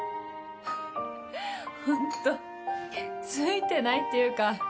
フッフホントツイてないっていうか。